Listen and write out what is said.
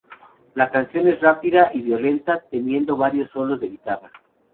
La canción es rápida y violenta, teniendo varios solos de guitarra.